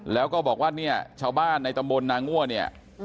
แล้วก็บอกว่าเนี่ยชาวบ้านในตำบลนางั่วเนี่ย